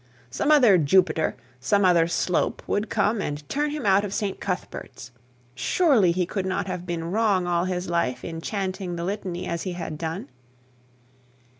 Some other Jupiter, some other Mr Slope, would come and turn him out of St Cuthbert's. Surely he could not have been wrong all his life in chanting the litany as he had done!